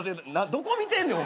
どこ見てんねん？